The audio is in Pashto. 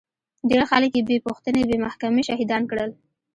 ډېر خلک يې بې پوښتنې بې محکمې شهيدان کړل.